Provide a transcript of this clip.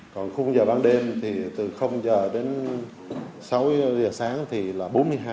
còn khung giờ ban đêm thì từ giờ đến sáu giờ sáng thì là bốn mươi hai